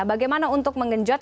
bagaimana untuk mengenjot